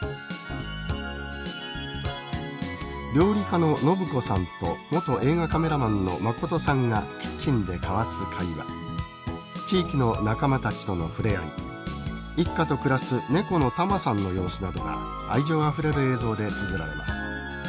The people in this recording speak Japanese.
料理家の伸子さんと元映画カメラマンの誠さんがキッチンで交わす会話地域の仲間たちとの触れ合い一家と暮らす猫のたまさんの様子などが愛情あふれる映像でつづられます。